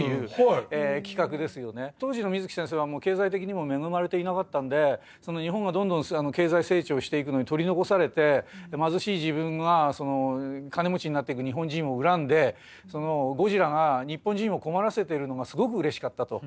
当時の水木先生はもう経済的にも恵まれていなかったんで日本がどんどん経済成長していくのに取り残されて貧しい自分は金持ちになっていく日本人を恨んでゴジラが日本人を困らせてるのがすごくうれしかったと。